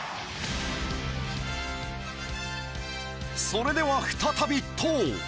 それでは再び「投」。